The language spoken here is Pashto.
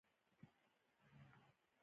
د عربستان نورو ښارونو غوندې لوکس او ودان دی.